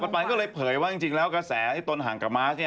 ไปก็เลยเผยว่าจริงแล้วกระแสไอ้ตนห่างกับมาส